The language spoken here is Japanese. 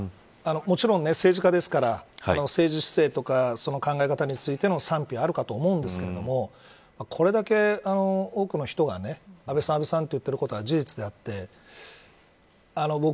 もちろん政治家ですから政治姿勢とか考え方についての賛否はあるかと思うんですけれどもこれだけ多くの人が安倍さん、安倍さんと言ってることは事実であって僕